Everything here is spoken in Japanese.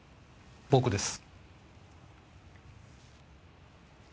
僕です。